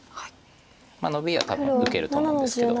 ノビは多分受けると思うんですけど。